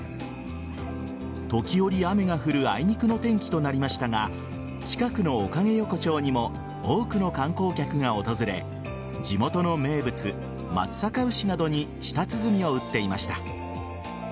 時折雨が降るあいにくの天気となりましたが近くのおかげ横丁にも多くの観光客が訪れ地元の名物・松阪牛などに舌鼓を打っていました。